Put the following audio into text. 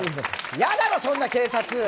嫌だろ、そんな警察。